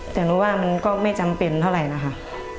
แต่หนูว่ามันก็ไม่จำเป็นเท่าไหร่นะคะ